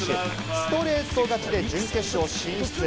ストレート勝ちで準決勝進出へ。